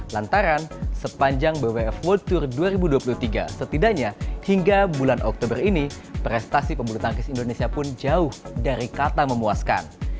lantaran sepanjang bwf world tour dua ribu dua puluh tiga setidaknya hingga bulan oktober ini prestasi pembulu tangkis indonesia pun jauh dari kata memuaskan